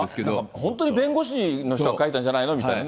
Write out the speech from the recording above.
本当に弁護士の人が書いたんじゃないの？みたいなね。